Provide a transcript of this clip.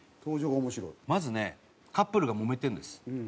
まずねカップルがもめてるんです。